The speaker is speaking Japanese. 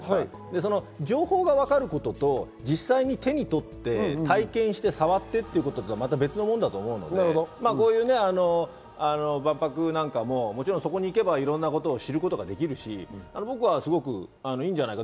その情報が分かることと、実際に手に取って体験して、触ってというのは、また別のものだと思うので、こういう万博なんかも、そこに行けばいろんなことを知ることができるし、僕はすごくいいんじゃないか。